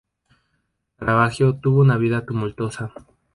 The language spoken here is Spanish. Caravaggio tuvo una vida tumultuosa.